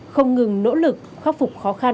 không ngừng nỗ lực khắc phục khó khăn